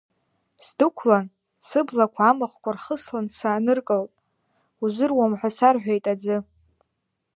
Сдәықәлан, сыблақәа амаӷқәа рхыслан сааныркылт, узыруам ҳәа сарҳәеит аӡы.